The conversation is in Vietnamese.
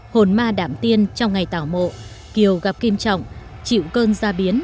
hồn ma đảm tiên trong ngày tảo mộ kiều gặp kim trọng chịu cơn ra biến